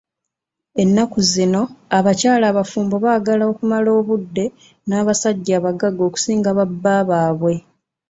Ennaku zino abakyala abafumbo baagala okumala obudde n'abasajja abagagga okusinga ba bba baabwe.